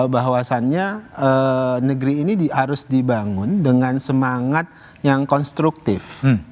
bahwasannya negeri ini harus dibangun dengan semangat yang konstruktif